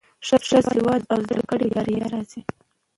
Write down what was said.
ښه سواد او زده کړه د بریا راز دی.